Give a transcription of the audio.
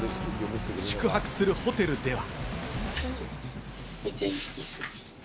宿泊するホテルでは。